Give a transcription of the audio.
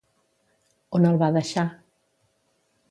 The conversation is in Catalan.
On el va deixar?